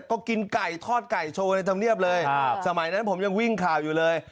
ก็กินไก่ทอดไก่โชว์ในธรรมเนียบเลยสมัยนั้นผมยังวิ่งข่าวอยู่เลย